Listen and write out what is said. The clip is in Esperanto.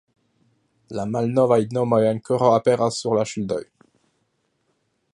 La malnovaj nomoj ankoraŭ aperas sur la ŝildoj.